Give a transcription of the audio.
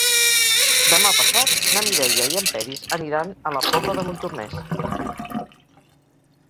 Demà passat na Mireia i en Peris aniran a la Pobla de Montornès.